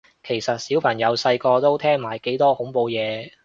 其實小朋友細個都聽埋幾多恐怖嘢